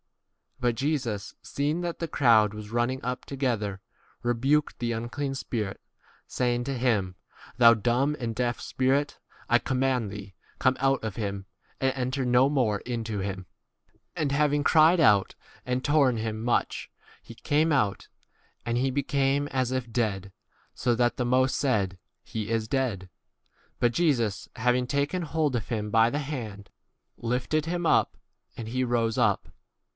But Jesus, seeing that the crowd was running up together, rebuked the unclean spirit, saying to him, Thou dumb and deaf spirit, I com mand thee, come out of him and 26 enter no more into him. And having cried out and torn [him] i much, he came out ; and he became as if dead, so that the most r said, 2 ? He is dead. But Jesus, having taken hold of him by the hand, lifted him up, and he rose up.